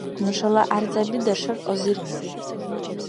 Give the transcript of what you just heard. Нушала гӀярзаби дашар азирна.